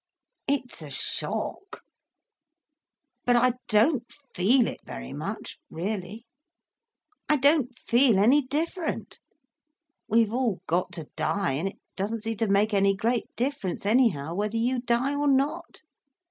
"It's a shock. But I don't feel it very much, really. I don't feel any different. We've all got to die, and it doesn't seem to make any great difference, anyhow, whether you die or not.